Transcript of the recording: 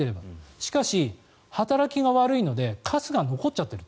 しかし、働きが悪いのでかすが残っちゃってる。